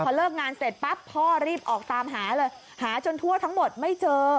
พอเลิกงานเสร็จปั๊บพ่อรีบออกตามหาเลยหาจนทั่วทั้งหมดไม่เจอ